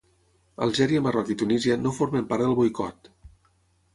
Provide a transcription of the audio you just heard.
Algèria, Marroc i Tunísia no formen part del boicot.